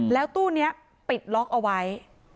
แล้วตู้นี้ปิดล็อกเอาไว้